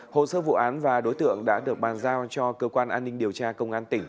hồ sơ vụ án và đối tượng đã được bàn giao cho cơ quan an ninh điều tra công an tỉnh